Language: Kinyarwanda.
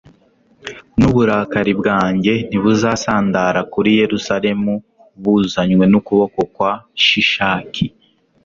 n'uburakari bwanjye ntibuzasandara kuri yerusalemu buzanywe n'ukuboko kwa shishaki